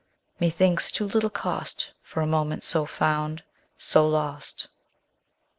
_20 5. ......... Methinks too little cost For a moment so found, so lost!